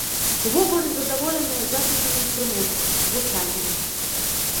Увогуле задаволеныя запісам інструментаў, гучаннем.